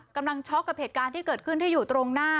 ช็อกกับเหตุการณ์ที่เกิดขึ้นที่อยู่ตรงหน้า